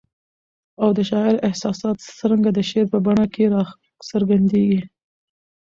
او د شاعر احساسات څرنګه د شعر په بڼه کي را څرګندیږي؟